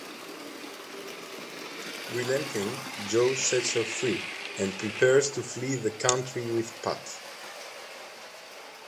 Relenting, Joe sets her free and prepares to flee the country with Pat.